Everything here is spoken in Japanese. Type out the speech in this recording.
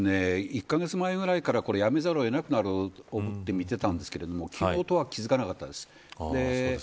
僕は、１カ月前ぐらいから辞めざるを得なくなると思ってみていたんですけど昨日とは気づかなかったです。